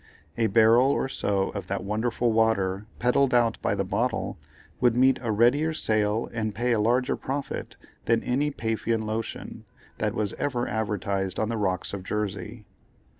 A barrel or so of that wonderful water, peddled out by the bottle, would meet a readier sale and pay a larger profit than any Paphian Lotion that was ever advertised on the rocks of Jersey.